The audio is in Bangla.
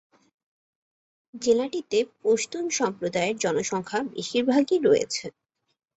জেলাটিতে পশতুন সম্প্রদায়ের জনসংখ্যা বেশির ভাগই রয়েছে।